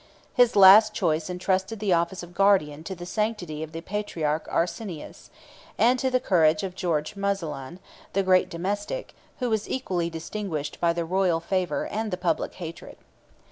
His last choice intrusted the office of guardian to the sanctity of the patriarch Arsenius, and to the courage of George Muzalon, the great domestic, who was equally distinguished by the royal favor and the public hatred.